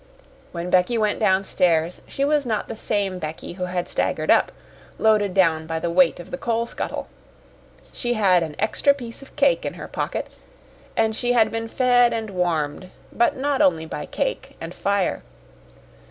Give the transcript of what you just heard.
When Becky went downstairs, she was not the same Becky who had staggered up, loaded down by the weight of the coal scuttle. She had an extra piece of cake in her pocket, and she had been fed and warmed, but not only by cake and fire.